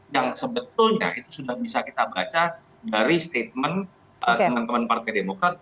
yang sebetulnya itu sudah bisa kita baca dari statement teman teman partai demokrat